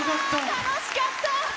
楽しかった！